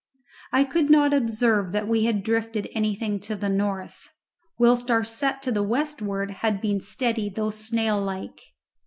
I could not observe that we had drifted anything to the north, whilst our set to the westwards had been steady though snail like.